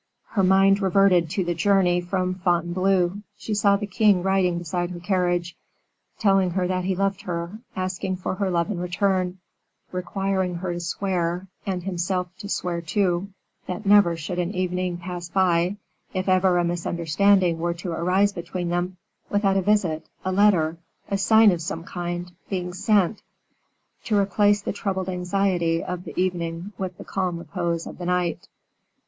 Her mind reverted to the journey from Fontainebleau, she saw the king riding beside her carriage, telling her that he loved her, asking for her love in return, requiring her to swear, and himself to swear too, that never should an evening pass by, if ever a misunderstanding were to arise between them, without a visit, a letter, a sign of some kind, being sent, to replace the troubled anxiety of the evening with the calm repose of the night.